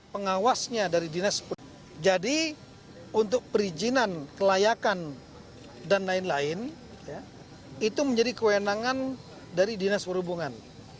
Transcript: pengawasnya dari dinas jadi untuk perizinan kelayakan dan lain lain itu menjadi kewenangan dari dinas perhubungan